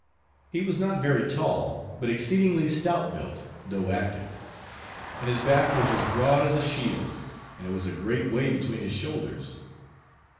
He was not very tall, but exceedingly stout built, though active; and his back was as broad as a shield, and it was a great way between his shoulders.